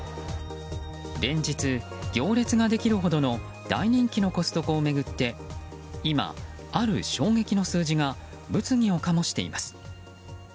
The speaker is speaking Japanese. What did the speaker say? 連日、行列ができるほど大人気のコストコを巡って今、ある衝撃の数字が物議を醸しています。